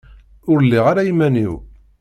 Ur lliɣ ara iman-iw.